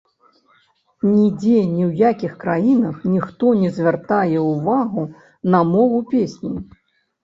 Нідзе ні ў якіх краінах ніхто не звяртае ўвагу на мову песні.